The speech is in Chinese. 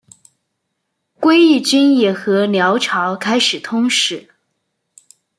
归义军也和辽朝开始通使。